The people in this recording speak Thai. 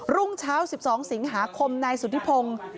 รุ่งเช้า๑๒สิงหาคมนายสุธิพงศ์